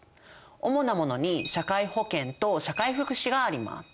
主なものに社会保険と社会福祉があります。